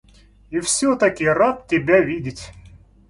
Я всё-таки рад тебя видеть.